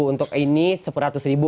untuk ini seratus ribu